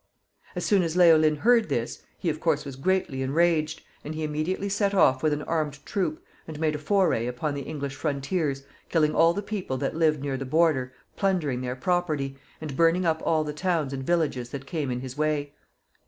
As soon as Leolin heard this, he, of course, was greatly enraged, and he immediately set off with an armed troop, and made a foray upon the English frontiers, killing all the people that lived near the border, plundering their property, and burning up all the towns and villages that came in his way.